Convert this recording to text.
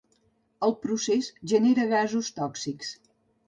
El procés genera gasos tòxics.